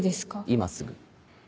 今すぐ。